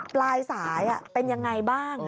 ปลายสายเป็นยังไงบ้าง